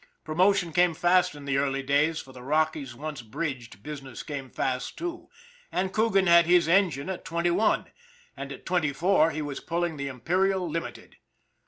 Pro motion came fast in the early days, for, the Rockies once bridged, business came fast, too ; and Coogan had his engine at twenty one, and at twenty four he was pulling the Imperial Limited.